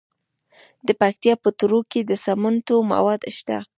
د پکتیکا په تروو کې د سمنټو مواد شته.